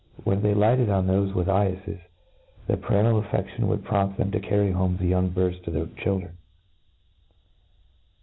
When they lighted on thofe with eyeffcs, their parental affeflion would prompt them to carry home the young birds to their children.